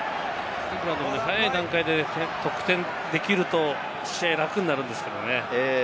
イングランド、早い段階で得点できると試合が楽になるんですよね。